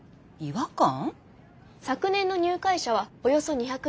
昨年の入会者はおよそ２００人。